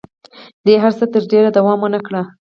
دې هر څه تر ډېره دوام ونه کړ.